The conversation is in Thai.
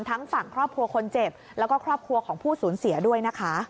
ทั้งฝั่งครอบครัวคนเจ็บแล้วก็ครอบครัวของผู้สูญเสียด้วยนะคะ